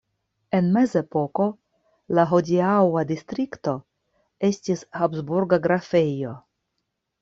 En mezepoko la hodiaŭa distrikto estis habsburga grafejo.